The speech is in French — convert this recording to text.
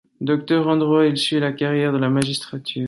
Docteur en droit, il suit la carrière dans la magistrature.